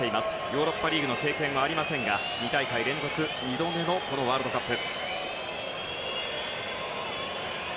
ヨーロッパリーグの経験はありませんが２大会連続２度目のワールドカップ。